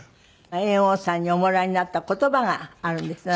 猿翁さんにおもらいになった言葉があるんですって？